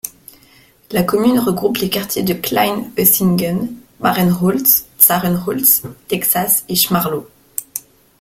La commune regroupe les quartiers de Klein Oesingen, Mahrenholz, Zahrenholz, Texas et Schmarloh.